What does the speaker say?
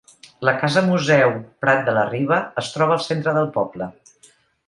La Casa Museu Prat de la Riba es troba al centre del poble.